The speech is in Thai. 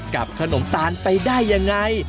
กับขนมตาลไปได้ยังไง